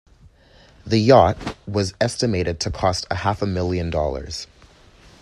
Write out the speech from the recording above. The yacht was estimated to cost a half a million dollars.